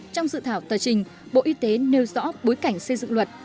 trong dự thảo tờ trình bộ y tế nêu rõ bối cảnh xây dựng luật